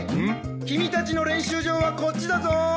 君たちの練習場はこっちだぞー！